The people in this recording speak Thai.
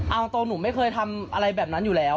เอาตรงหนูไม่เคยทำอะไรแบบนั้นอยู่แล้ว